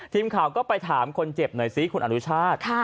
ทีมข่าวก็ไปถามคนเจ็บหน่อยซิคุณอนุชาติ